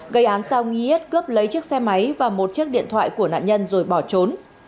gây án sau y s cướp lấy chiếc xe máy và một chiếc điện thoại của nạn nhân rồi bỏ trốn